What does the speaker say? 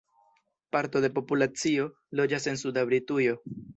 Parto de populacio loĝas en suda Britujo.